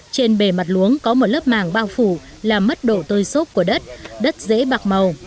trên bề mặt luống có một lớp màng bao phủ làm mất độ tôi xốp của đất đất dễ bạc màu